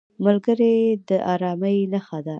ملګری د ارامۍ نښه ده